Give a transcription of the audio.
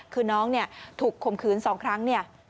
คือน้องถูกข่มขืน๒ครั้ง